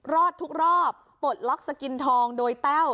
รอดทุกรอบปลดล็อกสกินทองโดยแต้ว